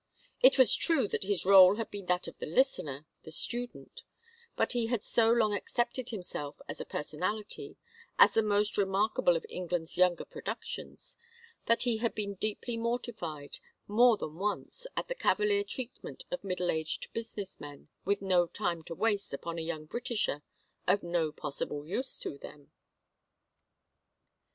It was true that his rôle had been that of the listener, the student, but he had so long accepted himself as a personality, as the most remarkable of England's younger productions, that he had been deeply mortified more than once at the cavalier treatment of middle aged business men with no time to waste upon a young Britisher of no possible use to them.